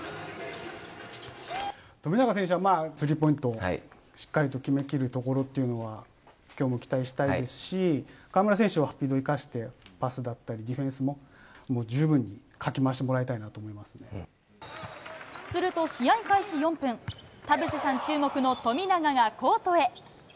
富永選手はスリーポイントをしっかりと決めきるところっていうのは、きょうも期待したいですし、河村選手はスピードを生かして、パスだったりディフェンスも、十分にかき回してもらいたいなとすると、試合開始４分、田臥さん注目の富永がコートへ。